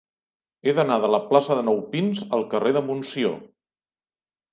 He d'anar de la plaça de Nou Pins al carrer de Montsió.